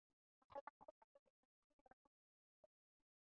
ښاغلی عارف یعقوبي بریالی خبریال دی.